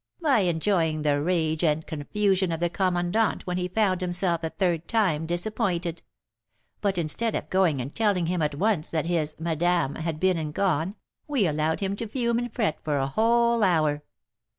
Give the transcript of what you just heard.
"By enjoying the rage and confusion of the commandant when he found himself a third time disappointed; but, instead of going and telling him at once that his 'madame' had been and gone, we allowed him to fume and fret for a whole hour.